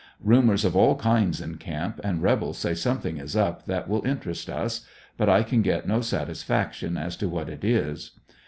Rumors of all kinds in camp, and rebels say somethmg is up that will interest us, but I can get no satisfaction as to what it is.